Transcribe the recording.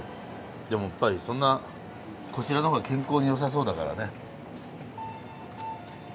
でもやっぱりそんなこちらの方が健康に良さそうだからね。